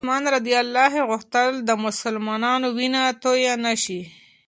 عثمان رض غوښتل چې د مسلمانانو وینه توی نه شي.